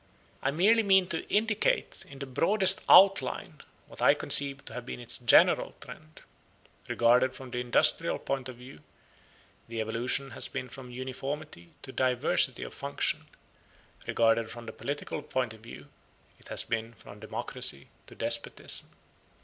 I merely mean to indicate in the broadest outline what I conceive to have been its general trend. Regarded from the industrial point of view the evolution has been from uniformity to diversity of function: regarded from the political point of view, it has been from democracy to despotism.